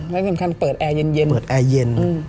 แล้วก็เปิดแอร์เย็น